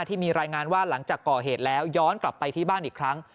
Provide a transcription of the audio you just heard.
ที่มีรายงานว่าหลังจากก่อเหตุแล้วย้อนกลับไปที่บ้านอีกครั้ง